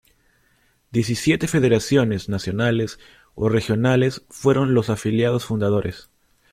Diecisiete federaciones nacionales o regionales fueron los afiliados fundadores.